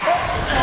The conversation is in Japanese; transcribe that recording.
あ！